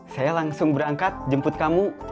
saya langsung berangkat jemput kamu